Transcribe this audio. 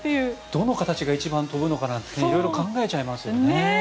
どの形が一番飛ぶのかなって考えちゃいますよね。